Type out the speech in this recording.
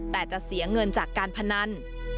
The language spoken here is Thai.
แต่จะเสียเงินจากการพนัน